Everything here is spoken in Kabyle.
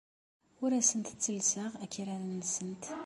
Ur asent-ttellseɣ akraren-nsent.